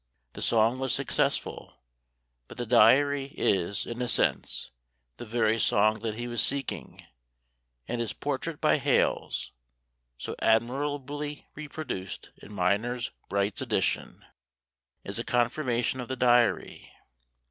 The song was successful, but the diary is, in a sense, the very song that he was seeking; and his portrait by Hales, so admirably reproduced in Mynors Bright's edition, is a confirmation of the diary.